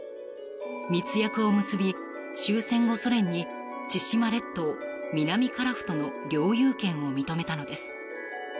密約を結び終戦後、ソ連に千島列島南樺太の領有権を認めたのです。